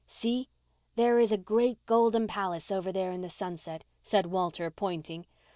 "See—there is a great golden palace over there in the sunset," said Walter, pointing.